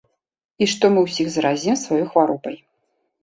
І што мы ўсіх заразім сваёй хваробай.